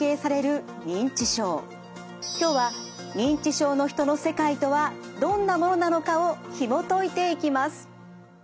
今日は認知症の人の世界とはどんなものなのかをひもといていきます。